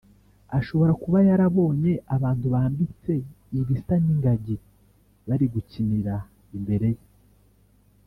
Ashobora kuba yarabonye abantu bambitse ibisa n’ingagi bari gukinira imbere ye